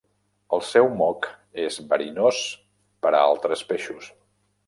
El seu moc és verinós per a altres peixos.